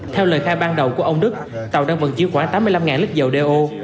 theo lời khai ban đầu của ông đức tàu đang vận chuyển khoảng tám mươi năm lít dầu đeo